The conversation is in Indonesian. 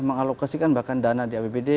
mengalokasikan bahkan dana di apbd